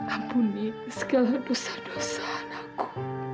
ampuni segala dosa dosa anakku